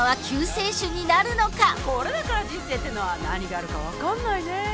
これだから人生ってのは何があるか分かんないね。